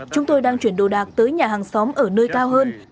chúng tôi đang chuyển đồ đạc tới nhà hàng xóm ở nơi cao hơn